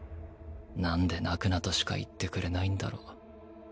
何で泣くなとしか言ってくれないんだろう？